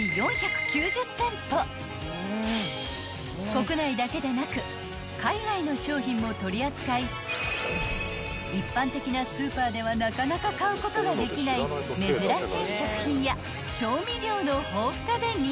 ［国内だけでなく海外の商品も取り扱い一般的なスーパーではなかなか買うことができない珍しい食品や調味料の豊富さで人気］